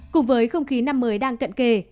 cùng với không khí năm mới đang cận kề